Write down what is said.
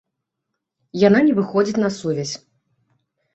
Яна не выходзіць на сувязь.